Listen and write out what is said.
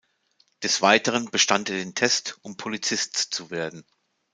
Des Weiteren bestand er den Test, um Polizist zu werden.